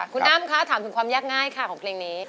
คุณอ้ำคะถามถึงความยากง่ายค่ะของเพลงนี้